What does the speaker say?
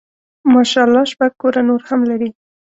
ماشاء الله شپږ کوره نور هم لري.